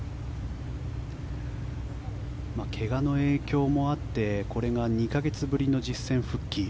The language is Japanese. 怪我の影響もあってこれが２か月ぶりの実戦復帰。